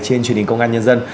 trên truyền hình công an nhân dân